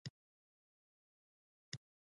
د وړانګو ستوري زیږي